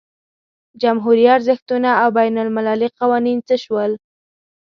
جمهوري ارزښتونه او بین المللي قوانین څه شول.